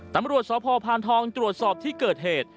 ตำรวจสพพานทองตรวจสอบที่เกิดเหตุ